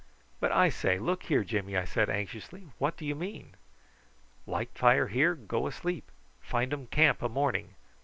"But I say, look here, Jimmy!" I said anxiously, "what do you mean?" "Light fire here; go asleep! Findum camp a morning.